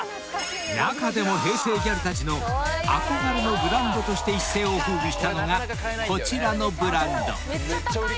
［中でも平成ギャルたちの憧れのブランドとして一世を風靡したのがこちらのブランド］